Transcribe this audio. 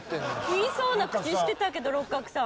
言いそうな口してたけど六角さん。